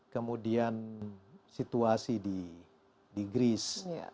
kemudian situasi di greece